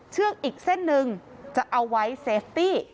เชือกอีกเส้นหนึ่งจะเอาไว้เซฟตี้